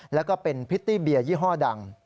แล้วก็เป็นพริตตี้เบียร์ยี่ห้อดัง